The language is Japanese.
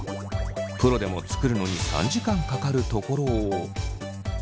プロでも作るのに３時間かかるところを。